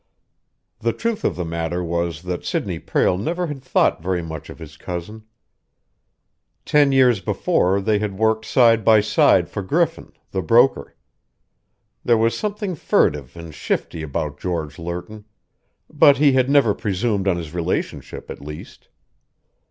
The truth of the matter was that Sidney Prale never had thought very much of his cousin. Ten years before they had worked side by side for Griffin, the broker. There was something furtive and shifty about George Lerton, but he never had presumed on his relationship, at least.